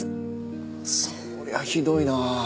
そりゃひどいな。